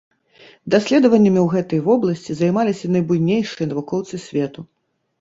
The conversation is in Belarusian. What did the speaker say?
Даследаваннямі ў гэтай вобласці займаліся найбуйнейшыя навукоўцы свету.